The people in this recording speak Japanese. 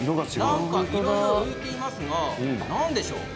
いろいろ浮いていますが何でしょう。